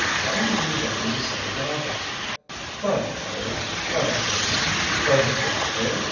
How do you reckon to set about it?" "By fire, by poison, by the dagger.